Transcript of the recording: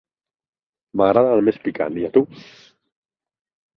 M'agrada el més picant, i a tu?